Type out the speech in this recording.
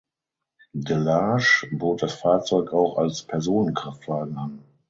Delage bot das Fahrzeug auch als Personenkraftwagen an.